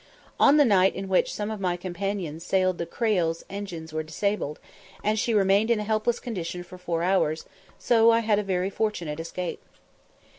On the night on which some of my companions sailed the Creole's engines were disabled, and she remained in a helpless condition for four hours, so I had a very fortunate escape.